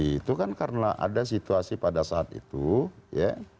itu kan karena ada situasi pada saat itu ya